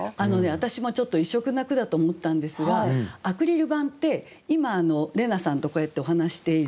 私もちょっと異色な句だと思ったんですがアクリル板って今怜奈さんとこうやってお話ししている